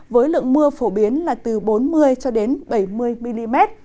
với lượng mưa phổ biến là từ bốn mươi bảy mươi mm